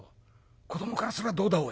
子どもからすればどうだおい。